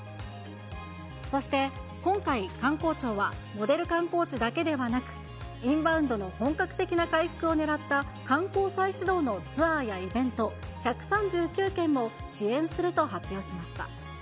そして、今回、観光庁はモデル観光地だけではなく、インバウンドの本格的な回復をねらった観光再始動ツアーやイベント、１３９件も支援すると発表しました。